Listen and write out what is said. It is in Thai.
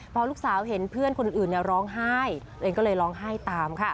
พอลูกสาวเห็นเพื่อนคนอื่นร้องไห้ตัวเองก็เลยร้องไห้ตามค่ะ